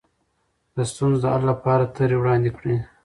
د ستونزو د حل لپاره طرحې وړاندې کړئ.